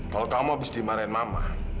kalau kamu habis dimarahin mama